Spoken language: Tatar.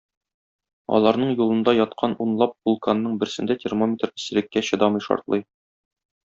Аларның юлында яткан унлап вулканның берсендә термометр эсселеккә чыдамый шартлый.